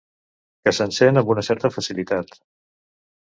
Que s'encén amb una certa facilitat.